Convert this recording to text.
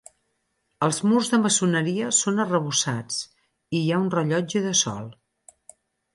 Els murs de maçoneria són arrebossats i hi ha un rellotge de sol.